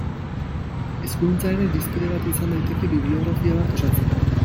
Hizkuntza ere irizpide bat izan daiteke bibliografia bat osatzeko.